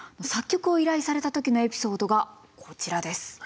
作曲を依頼された時のエピソードがこちらです。